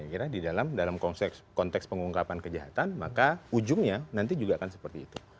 kalau semua dimulai dari bukti yang kurang gitu kira kira di dalam konteks pengungkapan kejahatan maka ujungnya nanti juga akan seperti itu